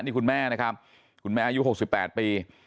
นี่คุณแม่นะครับคุณแม่อายุ๖๘ปี